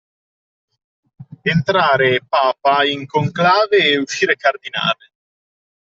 Entrare papa in conclave e uscire cardinale.